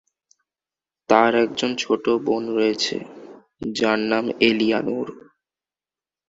তার একজন ছোট বোন রয়েছে, যার নাম এলিয়ানোর।